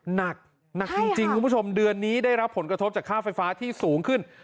หนักหนักจริงคุณผู้ชมเดือนนี้ได้รับผลกระทบจากค่าไฟฟ้าที่สูงขึ้น